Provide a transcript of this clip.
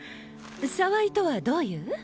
澤井とはどういう？